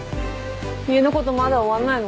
家のことまだ終わんないのかな？